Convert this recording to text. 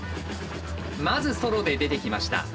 まずソロで出てきました。